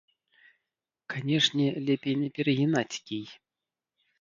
Канешне, лепей не перагінаць кій.